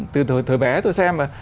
từ thời bé tôi xem